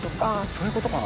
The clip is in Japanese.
そういうことかな。